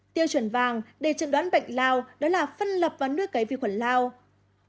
tiêu chuẩn vàng để chẩn đoán bệnh lao đó là phân lập và nuôi cấy vi khuẩn lao